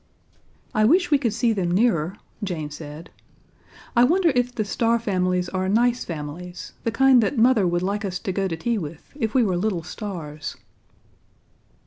"I wish we could see them nearer," Jane said. "I wonder if the star families are nice families the kind that Mother would like us to go to tea with, if we were little stars?"